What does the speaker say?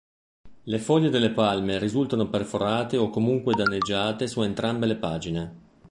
Le foglie delle palme risultano perforate o comunque danneggiate su entrambe le pagine.